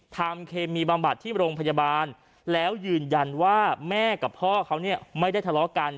เคมีบำบัดที่โรงพยาบาลแล้วยืนยันว่าแม่กับพ่อเขาเนี่ยไม่ได้ทะเลาะกัน